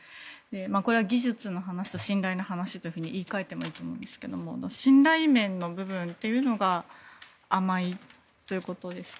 これは技術の話と信頼の話と言い換えてもいいと思いますが信頼面の部分というのが甘いということですか？